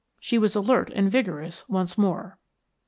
She was alert and vigorous once more.